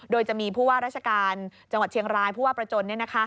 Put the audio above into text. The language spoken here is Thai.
โดยจะมีผู้ว่าราชการจังหวัดเชียงรายผู้ว่าประจน